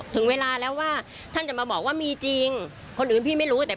ถึงเวลาแล้วว่าท่านจะมาบอกว่ามีจริงคนอื่นพี่ไม่รู้แต่